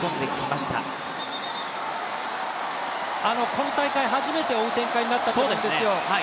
この大会初めて追う展開になったと思うんですよ。